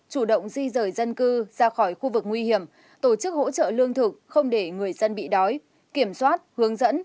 chủ động di rời dân cư ra khỏi khu vực nguy hiểm tổ chức hỗ trợ lương thực không để người dân bị đói kiểm soát hướng dẫn